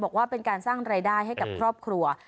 บอกว่าเป็นการสร้างรายได้ให้กับครอบครัว